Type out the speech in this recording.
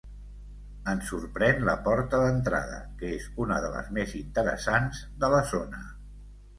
En sorprèn la porta d'entrada, que és una de les més interessants de la zona.